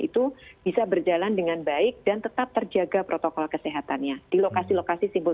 itu bisa berjalan dengan baik dan tetap terjaga protokol kesehatannya di lokasi lokasi simbol